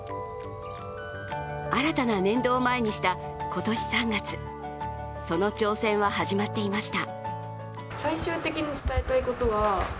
新たな年度を前にした今年３月、その挑戦は始まっていました。